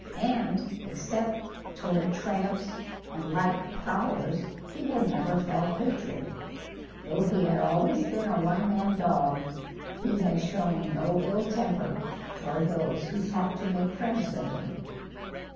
And, except toward tramps and like prowlers, he had never felt hatred. Though he had always been a one man dog, he had shown no ill temper toward those who sought to make friends with him.